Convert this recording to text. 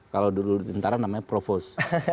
kalau dulu di tentara namanya provos